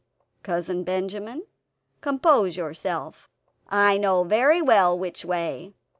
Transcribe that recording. "Cousin Benjamin, compose yourself. I know very well which way.